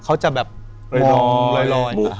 เขาจะแบบลอยลอย